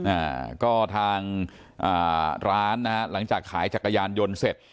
เออก็ทางร้านนะหลังจากขายจากกระยานยนต์เสร็จ